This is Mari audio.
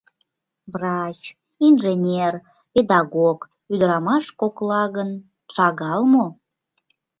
Врач, инженер, педагог, ӱдырамаш кокла гын шагал мо?!.